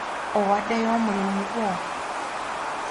Owaddeyo omulimu gwo?